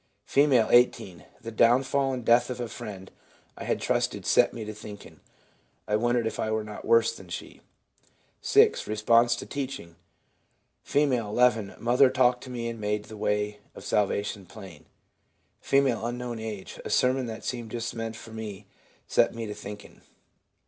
F., 18. 'The downfall and death of a friend I had trusted set me to thinking ; I wondered if I were not worse than she.' 6. Response to teaching. — F., 11. 'Mother talked to me and made the way of salvation plain.' F., —. 'A sermon that seemed just meant for me set me to thinking.'